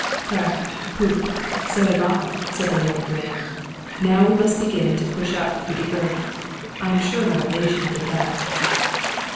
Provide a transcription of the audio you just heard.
"Crack! Pouf! so have I," said the learned grain. "Now we must begin to push up through the earth. I am sure my relation did that."